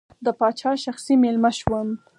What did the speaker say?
د پاچا شخصي مېلمه شوم.